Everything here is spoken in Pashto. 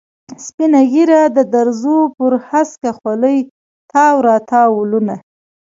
سپینه ږیره، د دروزو پر هسکه خولې تاو را تاو ولونه.